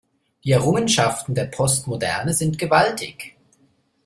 Die Errungenschaften der Postmoderne sind gewaltig.